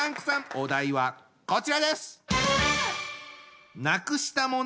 お題はこちらです！